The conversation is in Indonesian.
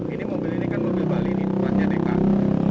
ini mobil ini kan mobil bali ini tuasnya dekak